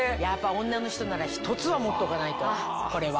女の人なら１つは持っとかないとこれは。